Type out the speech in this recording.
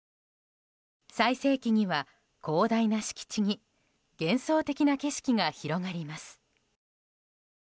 最盛期には、広大な敷地に幻想的な景色が広がります。